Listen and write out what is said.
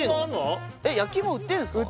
焼き芋売ってんすか？